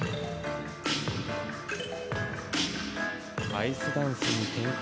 アイスダンスに転向。